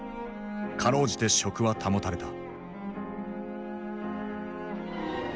かろうじて職は保たれた。